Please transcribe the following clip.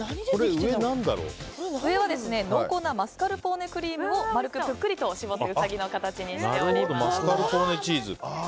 上は濃厚なマルカルポーネクリームを丸くぷっくりと絞ってウサギの形にしております。